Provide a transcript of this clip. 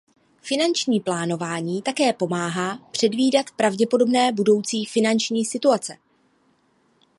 Finanční plánování také pomáhá předvídat pravděpodobné budoucí finanční situace.